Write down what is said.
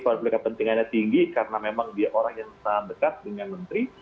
kalau diberikan pentingannya tinggi karena memang dia orang yang sangat dekat dengan menteri